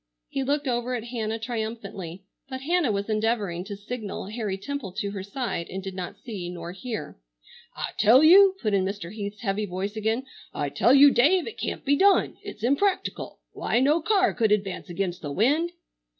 He looked over at Hannah triumphantly, but Hannah was endeavoring to signal Harry Temple to her side and did not see nor hear. "I tell you," put in Mr. Heath's heavy voice again, "I tell you, Dave, it can't be done. It's impractical. Why, no car could advance against the wind."